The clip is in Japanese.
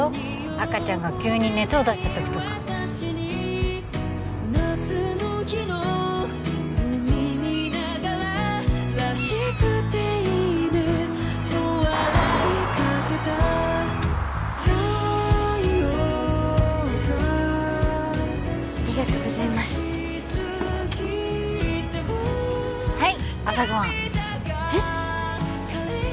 赤ちゃんが急に熱を出した時とかありがとうございますはい朝ご飯えっ！？